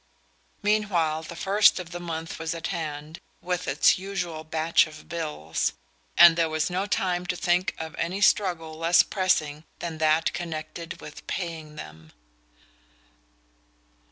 Meanwhile the first of the month was at hand, with its usual batch of bills; and there was no time to think of any struggle less pressing than that connected with paying them...